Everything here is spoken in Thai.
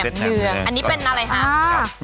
อันนี้เป็นอะไรคะ